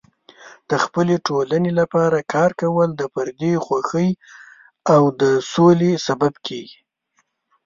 د خپلې ټولنې لپاره کار کول د فردي خوښۍ او د سولې سبب کیږي.